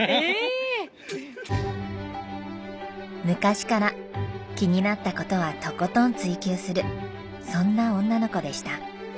昔から気になった事はとことん追究するそんな女の子でした。